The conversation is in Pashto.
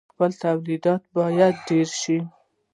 خپل تولیدات باید ډیر شي.